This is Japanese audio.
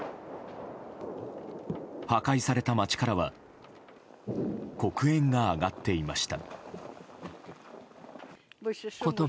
破壊された街からは黒煙が上がっていました。